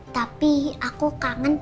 tapi aku kangen